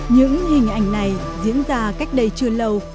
những hình ảnh này diễn ra cách đây chưa lâu